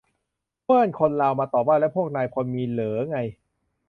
เพื่อนคนลาวมาตอบว่า แล้วพวกนายพลมีเหรอไง ?